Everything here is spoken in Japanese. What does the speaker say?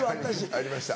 ありました。